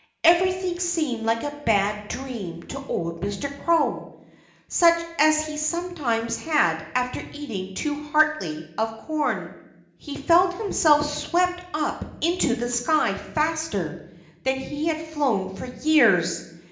Everything seemed like a bad dream to old Mr. Crow such as he sometimes had after eating too heartily of corn. He felt himself swept up into the sky faster than he had flown for years.